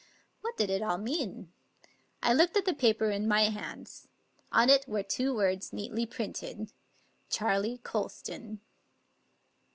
What did it all mean? I looked at the paper in my hands. On it were two words, neatly printed —" Charley Colston."